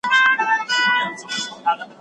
انتقاد د پرمختګ لامل ګرځي.